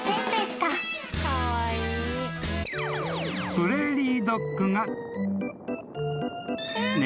［プレーリードッグが］